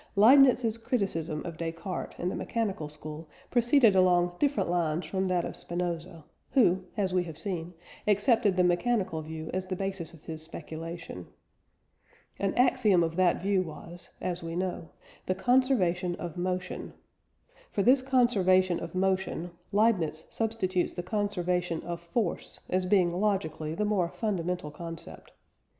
Leibniz's criticism of Descartes and the mechanical school proceeded along different lines from that of Spinoza, who, as we have seen, accepted the mechanical view as the basis of his speculation. An axiom of that view was (as we know) the conservation of motion. For this conservation of motion, Leibniz substitutes the conservation of force as being logically the more fundamental concept.